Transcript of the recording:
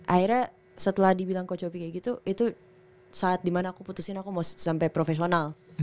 akhirnya setelah dibilang kocopi kayak gitu itu saat dimana aku putusin aku mau sampai profesional